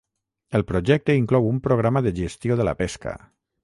El projecte inclou un programa de gestió de la pesca.